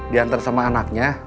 diantar sama anaknya